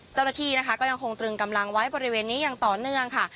เจ้าหน้าที่นะคะก็ยังคงตรึงกำลังไว้บริเวณนี้อย่างต่อเนื่องค่ะ